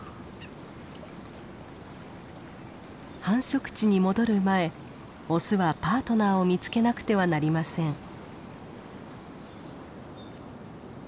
繁殖地に戻る前オスはパートナーを見つけなくてはなりません。